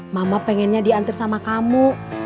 mama pengennya diantir sama kamu